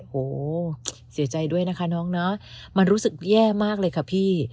โหเสียใจด้วยนะคะน้องเนาะมันรู้สึกแย่มากเลยค่ะพี่